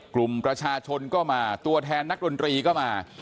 กลุ่มประชาชนก็มาตัวแทนนักดนตรีก็มา